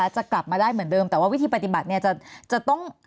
จะกลับมาได้เหมือนเดิมแต่ว่าวิธีปฏิบัติเนี่ยจะต้อง